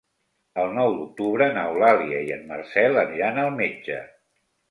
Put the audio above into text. El nou d'octubre n'Eulàlia i en Marcel aniran al metge.